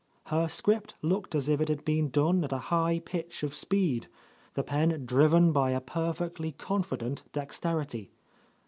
Her script looked as if it had been done at a high pitch of speed, the pen driven by a perfectly confident dexterity.